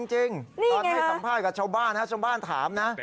จริงตอนให้สัมภาษณ์กับชาวบ้านนะชาวบ้านถามนะ